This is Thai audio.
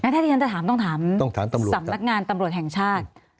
ถ้าที่ฉันจะถามต้องถามตำรวจสำนักงานตำรวจแห่งชาติ